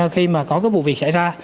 khi mà có cái vụ việc xảy ra